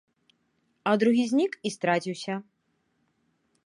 А другі знік і страціўся.